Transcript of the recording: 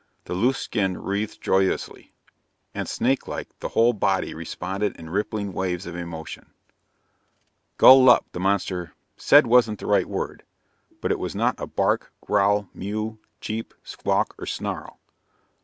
The loose skin writhed joyously, and, snakelike, the whole body responded in rippling waves of emotion. "Gull Lup," the monster said wasn't the right word, but it was not a bark, growl, mew, cheep, squawk or snarl.